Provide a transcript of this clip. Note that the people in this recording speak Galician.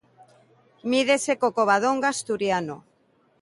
Mídese co Covadonga asturiano.